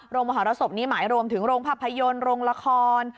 มหรสบนี้หมายรวมถึงโรงภาพยนตร์โรงละคร